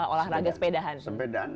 olahraga sepedahan sepedahan